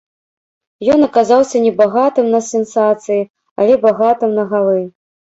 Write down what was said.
Ён аказаўся небагатым на сенсацыі, але багатым на галы.